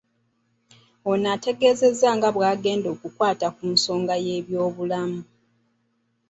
Ono ategeezezza nga bw'agenda okukwata ku nsonga y'ebyobulamu